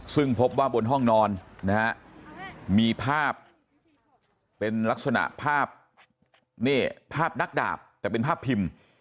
ซึ่งพบว่าบนห้องนอนนะฮะมีภาพเป็นลักษณะภาพนี่ภาพนักดาบแต่เป็นภาพพิมพ์